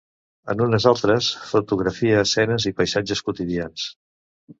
En unes altres, fotografia escenes i paisatges quotidians.